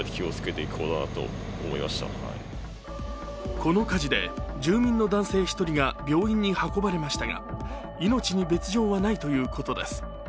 この火事で、住民の男性１人が病院に運ばれましたが命に別状はないということです。